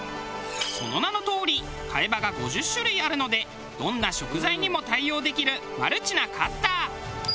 その名のとおり替え刃が５０種類あるのでどんな食材にも対応できるマルチなカッター。